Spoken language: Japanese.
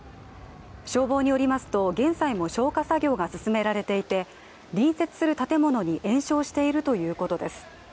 消防によりますと現在も消火活動が進められていて、隣接する建物に延焼しているということです。